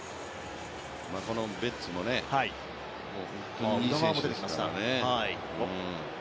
このベッツも本当にいい選手ですからね。